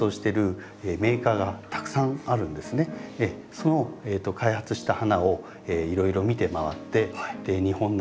その開発した花をいろいろ見て回って日本の環境